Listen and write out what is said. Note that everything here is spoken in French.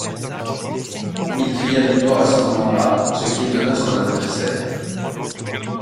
Il cria victoire à ce moment-là, ce qui étonna son adversaire.